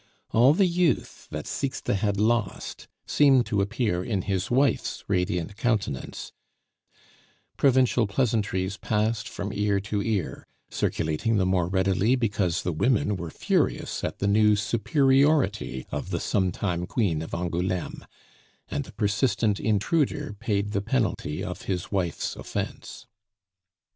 All the youth that Sixte had lost seemed to appear in his wife's radiant countenance; provincial pleasantries passed from ear to ear, circulating the more readily because the women were furious at the new superiority of the sometime queen of Angouleme; and the persistent intruder paid the penalty of his wife's offence.